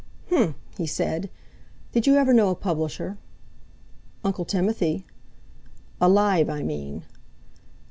"H'm!" he said. "Did you ever know a publisher?" "Uncle Timothy." "Alive, I mean."